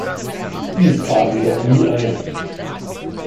Dies trat jedoch nie ein.